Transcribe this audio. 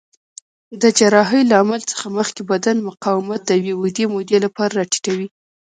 د جراحۍ له عمل څخه مخکې بدن مقاومت د یوې اوږدې مودې لپاره راټیټوي.